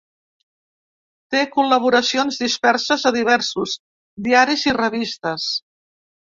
Té col·laboracions disperses a diversos diaris i revistes.